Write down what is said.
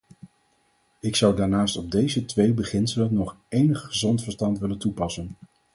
Ik zou daarnaast op deze twee beginselen nog enig gezond verstand willen toepassen.